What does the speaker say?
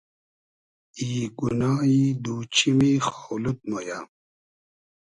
ای گونایی دو چیمی خاو لود مۉ یۂ